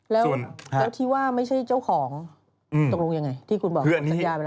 แล้วที่ว่าไม่ใช่เจ้าของตกลงยังไงที่คุณบอก